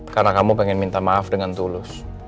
karena kamu pengen minta maaf dengan tulus